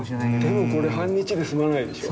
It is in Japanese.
でもこれ半日で済まないでしょう。